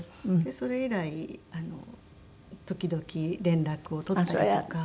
それ以来時々連絡を取ったりとか。